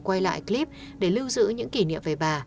quay lại clip để lưu giữ những kỷ niệm về bà